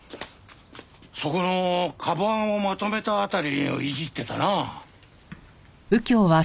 そこの鞄をまとめた辺りをいじってたな。